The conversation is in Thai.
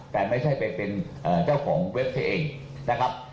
แต่ไม่ใช่ไปเป็นเจ้าของเว็บซะเองนะครับ